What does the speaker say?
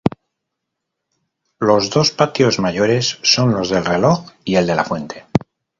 Los dos patios mayores son los del Reloj y el de La Fuente.